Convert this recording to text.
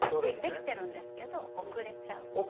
できてるんですけど遅れちゃうね。